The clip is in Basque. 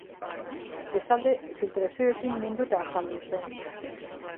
Bestalde, filtrazioekin minduta azaldu zen.